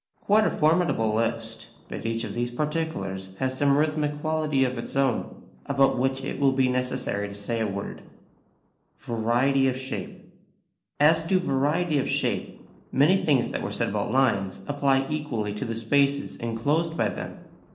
Quite a formidable list, but each of these particulars has some rhythmic quality of its own about which it will be necessary to say a word. [Sidenote: Variety of Shape.] As to variety of shape, many things that were said about lines apply equally to the spaces enclosed by them.